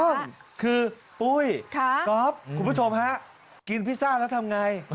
ถูกต้องคือปุ้ยก๊อฟคุณผู้ชมฮะกินพิซซ่าแล้วทำไง